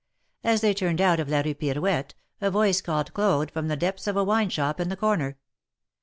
As they turned out of la Eue Pirouette, a voice called Claude from the depths of a wine shop on the corner.